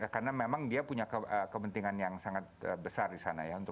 karena memang dia punya kepentingan yang sangat besar di sana ya